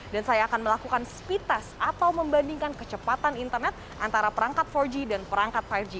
dan saya akan melakukan speed test atau membandingkan kecepatan internet antara perangkat empat g dan perangkat lima g